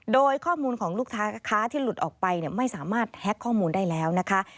โดยข้อมูลของลูกค้าค้าที่หลุดออกไปไม่สามารถแฮ็กข้อมูลได้แล้วนะคะ